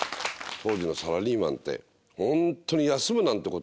当時のサラリーマンって本当に休むなんて事。